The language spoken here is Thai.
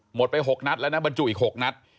หมดไป๖นัทแล้วบรรจุอีก๖นัท